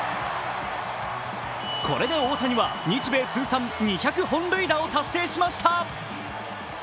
これで大谷は日米通算２００本塁打を達成しました。